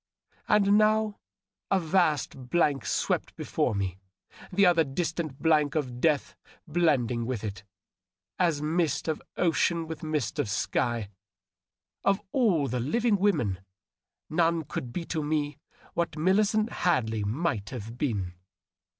. And now a vast blank swept before me, the other distant blank of death blending with it, as mist of ocean with mist of sky. Of all living women none could be to me what Millicent Hadley might have been.